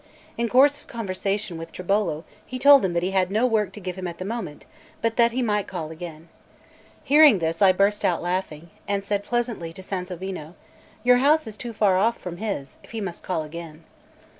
In course of conversation with Tribolo, he told him that he had no work to give him at the moment, but that he might call again. Hearing this, I burst out laughing, and said pleasantly to Sansovino: "Your house is too far off from his, if he must call again."